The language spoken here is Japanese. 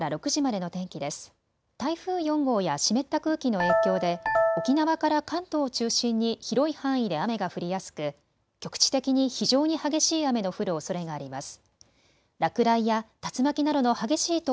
台風４号や湿った空気の影響で沖縄から関東を中心に広い範囲で雨が降りやすく局地的に非常に激しい雨の降るおそれがあります。